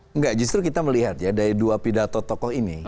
enggak justru kita melihat ya dari dua pidato tokoh ini